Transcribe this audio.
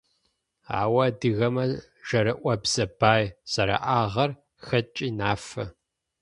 Ау адыгэмэ жэрыӏобзэ бай зэряӏагъэр хэткӏи нафэ.